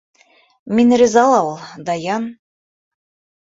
Мин риза ла ул. Даян...